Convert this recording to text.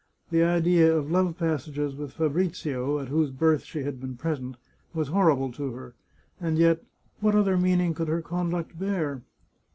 The idea of love passages with Fabrizio, at whose birth she had been present, was horrible to her, and yet what other meaning could her conduct bear?